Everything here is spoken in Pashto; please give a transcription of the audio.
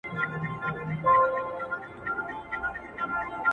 بلکي انسان د تولد څخه وروسته هويت رامنځته کوي